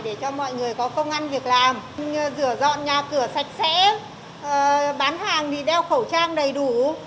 để cho mọi người có công an việc làm rửa dọn nhà cửa sạch sẽ bán hàng đi đeo khẩu trang đầy đủ